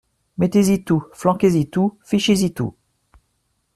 Mettez-y tout, flanquez-y tout, fichez-y tout.